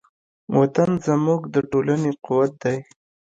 وطن زموږ د ټولنې قوت دی.